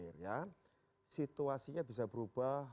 karena situasinya bisa berubah